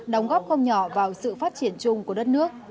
đóng góp không nhỏ vào sự phát triển chung của đất nước